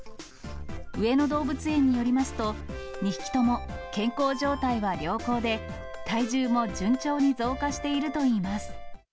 上野動物園によりますと、２匹とも健康状態は良好で、体重も順調に増加しているといいます。